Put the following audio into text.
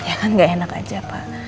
ya kan gak enak aja pak